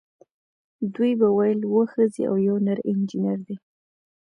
دوی به ویل اوه ښځې او یو نر انجینر دی.